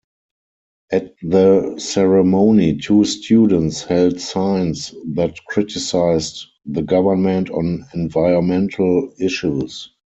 At the ceremony two students held signs that criticized the government on environmental issues.